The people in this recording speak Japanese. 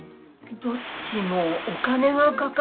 どっちもお金がかかるんでしょ？